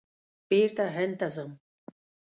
بېرته هند ته ځم !